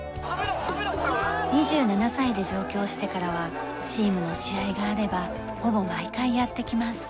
２７歳で上京してからはチームの試合があればほぼ毎回やって来ます。